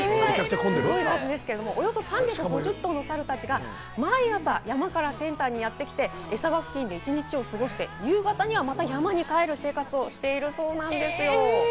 およそ３５０頭の猿たちが毎朝、山からセンターにやってきて、餌場付近で一日を過ごして、夕方にはまた山に帰る生活をしているそうなんです。